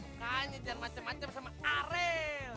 makanya jangan macem macem sama arel